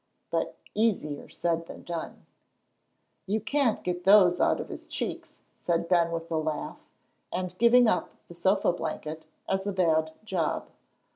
But easier said than done. "You can't get those out of his cheeks," said Ben, with a laugh, and giving up the sofa blanket as a bad job.